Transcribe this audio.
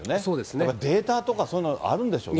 やっぱりデータとかそういうのあるんでしょうね。